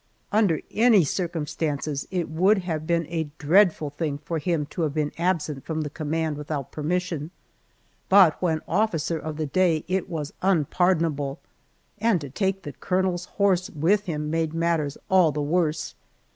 Under any circumstances, it would have been a dreadful thing for him to have been absent from the command without permission, but when officer of the day it was unpardonable, and to take the colonel's horse with him made matters all the worse.